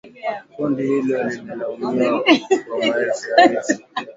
Kundi hilo limelaumiwa kwa maelfu ya vifo